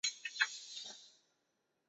古时为西大森村。